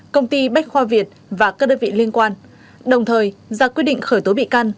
công ty bách khoa việt và các đơn vị liên quan đồng thời ra quyết định khởi tố bị can